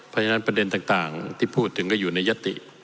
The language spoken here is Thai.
เพราะฉะนั้นประเด็นต่างที่พูดถึงก็อยู่ในยติ